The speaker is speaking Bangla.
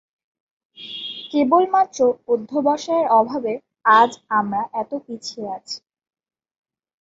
কেবলমাত্র অধ্যবসায়ের অভাবে আজ আমরা এত পিছিয়ে আছি।